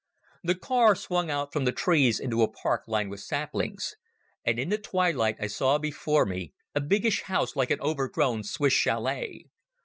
The car swung out from the trees into a park lined with saplings, and in the twilight I saw before me a biggish house like an overgrown Swiss chalet.